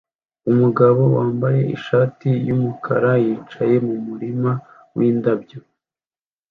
Umugabo wambaye ishati yumukara yicaye mumurima windabyo